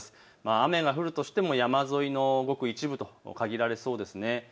雨が降るとしても山沿いのごく一部に限られそうですね。